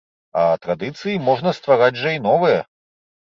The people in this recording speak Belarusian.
А традыцыі можна ствараць жа і новыя.